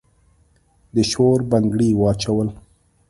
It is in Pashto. د شور بنګړي واچول